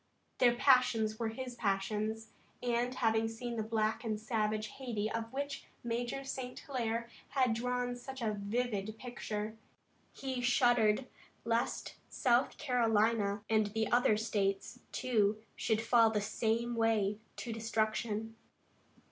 Their passions were his passions, and having seen the black and savage Hayti of which Major St. Hilaire had drawn such a vivid picture, he shuddered lest South Carolina and other states, too, should fall in the same way to destruction.